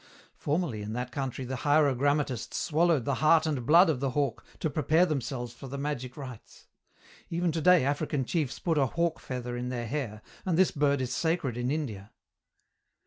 Formerly in that country the hierogrammatists swallowed the heart and blood of the hawk to prepare themselves for the magic rites. Even today African chiefs put a hawk feather in their hair, and this bird is sacred in India."